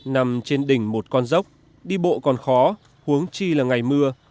nằm trên đỉnh một con dốc đi bộ còn khó huống chi là ngày mưa